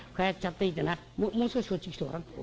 もう少しこっち来てごらん。